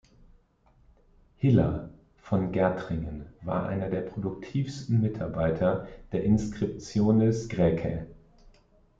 Hiller von Gaertringen war einer der produktivsten Mitarbeiter der Inscriptiones Graecae.